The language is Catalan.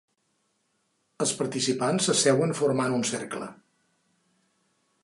Els participants s'asseuen formant un cercle.